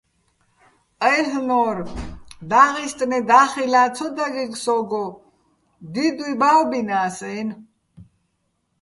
აილ'ნორ: დაღისტნე და́ხილა́ ცო დაგეგ სო́გო, დიდუჲ ბა́ვბინას-აჲნო̆.